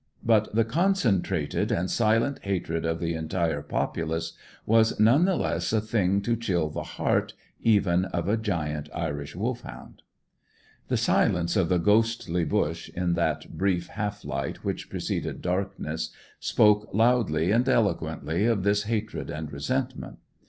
But the concentrated and silent hatred of the entire populace was none the less a thing to chill the heart even of a giant Irish Wolfhound. The silence of the ghostly bush, in that brief half light which preceded darkness, spoke loudly and eloquently of this hatred and resentment.